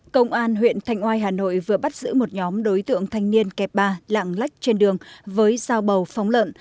công an huyện thành oai hà nội vừa bắt giữ một nhóm đối tượng thanh niên kẹp ba lạng lách trên đường với dao bầu phóng lợn